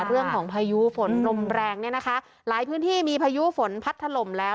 พายุฝนลมแรงเนี่ยนะคะหลายพื้นที่มีพายุฝนพัดถล่มแล้ว